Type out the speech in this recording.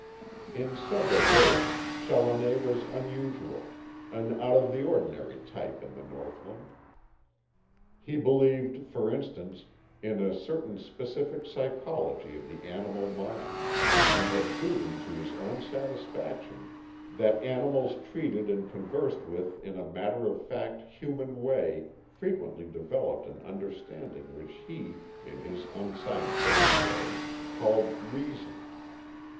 In several ways Challoner was unusual, an out of the ordinary type in the northland. He believed, for instance, in a certain specific psychology of the animal mind, and had proven to his own satisfaction that animals treated and conversed with in a matter of fact human way frequently developed an understanding which he, in his unscientific way, called reason.